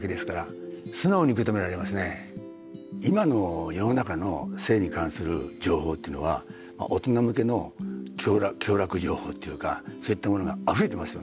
今の世の中の性に関する情報っていうのは大人向けの享楽情報というかそういったものがあふれてますよね。